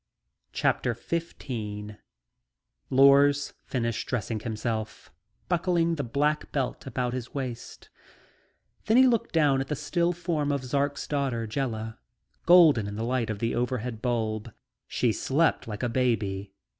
CHAPTER FIFTEEN Lors finished dressing himself, buckling the black belt about his waist; then he looked down at the still form of Zark's daughter, Jela, golden in the light of the overhead bulb. She slept like a baby.